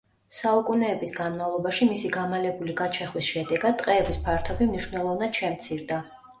საუკუნეების განმავლობაში, მისი გამალებული გაჩეხვის შედეგად, ტყეების ფართობი მნიშვნელოვნად შემცირდა.